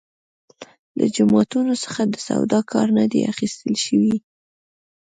له جوماتونو څخه د سواد کار نه دی اخیستل شوی.